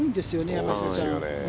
山下さん。